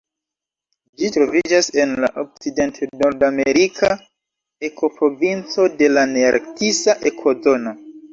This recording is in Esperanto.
Ĝi troviĝas en la okcident-nordamerika ekoprovinco de la nearktisa ekozono.